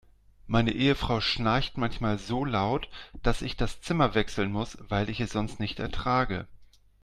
Meine Ehefrau schnarcht manchmal so laut, dass ich das Zimmer wechseln muss, weil ich es sonst nicht ertrage.